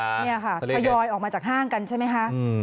ขยอยออกมาจากห้างกันใช่ไหมคะ